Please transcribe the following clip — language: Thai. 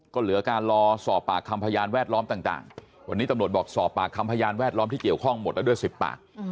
ก็เหลือการรอสอบปากคำพยานแวดล้อมต่างวันนี้ตำรวจบอกสอบปากคำพยานแวดล้อมที่เกี่ยวข้องหมดแล้วด้วย๑๐ปาก